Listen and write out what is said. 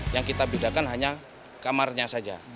yang kita bedakan hanya kamarnya saja